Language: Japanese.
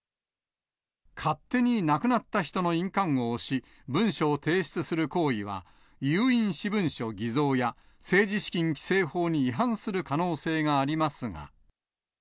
勝手に亡くなった人の印鑑を押し、文書を提出する行為は、有印私文書偽造や、政治資金規正法に違反する可能性がありますが。